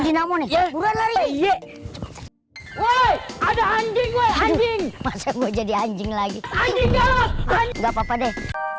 dinamo nih bukan lari ye ada anjing anjing jadi anjing lagi anjing nggak papa deh